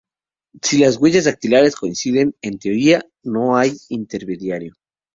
Si las huellas dactilares coinciden, en teoría, no hay intermediario.